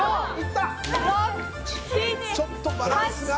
ちょっとバランスが。